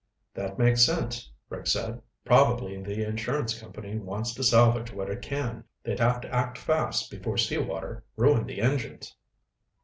"That makes sense," Rick said. "Probably the insurance company wants to salvage what it can. They'd have to act fast before sea water ruined the engines."